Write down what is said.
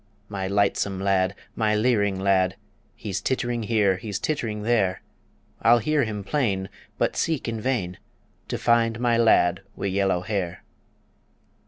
My lightsome lad, my leering lad, He's tittering here; he's tittering there I'll hear him plain, but seek in vain To find my lad wi' yellow hair.